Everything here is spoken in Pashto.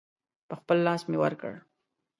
په خپل لاس مې ورکړ.